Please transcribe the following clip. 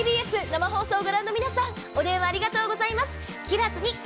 ＴＢＳ生放送を御覧の皆さん、お電話ありがとうございます。